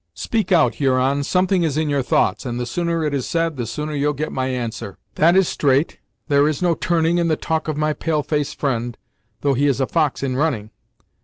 "Speak out, Huron. Something is in your thoughts, and the sooner it is said, the sooner you'll get my answer." "That is straight! There is no turning in the talk of my pale face friend, though he is a fox in running.